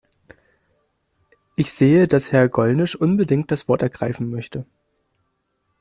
Ich sehe, dass Herr Gollnisch unbedingt das Wort ergreifen möchte.